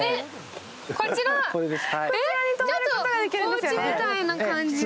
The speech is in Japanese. ちょっとおうちなみたいな感じで。